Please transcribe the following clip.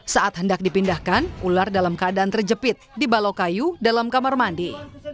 saat hendak dipindahkan ular dalam keadaan terjepit di balok kayu dalam kamar mandi